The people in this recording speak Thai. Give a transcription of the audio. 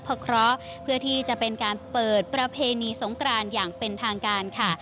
เพราะเคราะห์เพื่อที่จะเป็นการเปิดประเพณีสงกรานอย่างเป็นทางการค่ะ